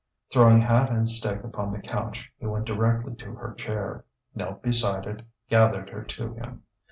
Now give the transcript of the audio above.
Throwing hat and stick upon the couch, he went directly to her chair, knelt beside it, gathered her to him.